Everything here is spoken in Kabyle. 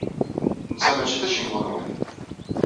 Netta mačči d acengu-nwen.